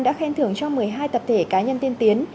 đã khen thưởng cho một mươi hai tập thể cá nhân tiên tiến